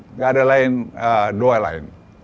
enggak ada doa lain